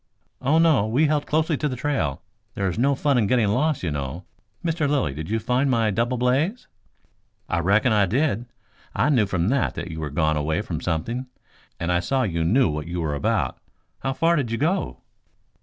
"Oh, no; we held closely to the trail. There is no fun in getting lost, you know. Mr Lilly, did you find my double blaze?" "I reckon I did. I knew, from that, that you had gone away after something, and I saw you knew what you were about. How far did you go?"